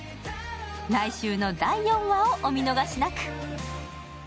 来週の第４話をお見逃しなく。